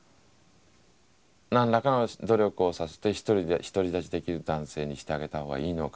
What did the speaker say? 何らかの努力をさせて独り立ちできる男性にしてあげた方がいいのか。